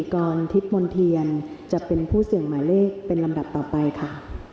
กรทิพย์มนเทียนจะเป็นผู้เสี่ยงหมายเลขเป็นลำดับต่อไปค่ะ